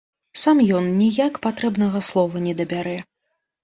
Сам ён ніяк патрэбнага слова не дабярэ.